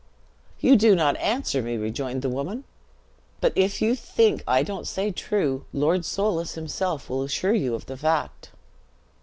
"You do not answer me," rejoined the woman; "but if you think I don't say true, Lord Soulis himself will assure you of the fact."